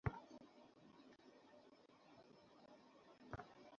তবে এবার দুই পরিবারে একাধিক প্রার্থী থাকায় নিজেদের মধ্যে দ্বন্দ্ব দেখা দিয়েছে।